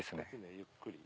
ゆっくり？